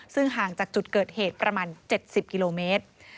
ซึ่งห่างจากจุดเกิดเหตุประมาณ๗๐กิโลเมตร